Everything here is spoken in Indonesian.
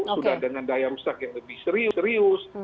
sudah dengan daya rusak yang lebih serius serius